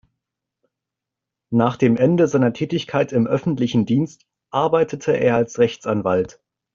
Nach dem Ende seiner Tätigkeit im öffentlichen Dienst arbeitete er als Rechtsanwalt.